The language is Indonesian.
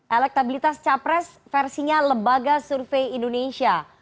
elektabilitas capres versinya lembaga survei indonesia